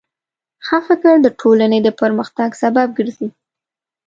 ښه فکر د ټولنې د پرمختګ سبب ګرځي.